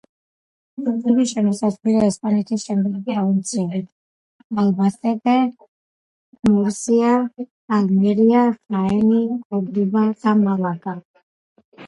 იგი შემოსაზღვრულია ესპანეთის შემდეგი პროვინციებით: ალბასეტე, მურსია, ალმერია, ხაენი, კორდობა და მალაგა.